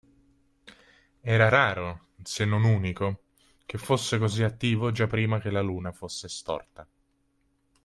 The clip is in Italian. Era raro, se non unico, che fosse così attivo già prima che la luna fosse sorta.